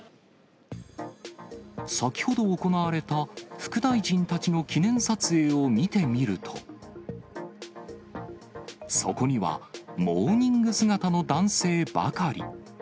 先ほど行われた副大臣たちの記念撮影を見てみると、そこにはモーニング姿の男性ばかり。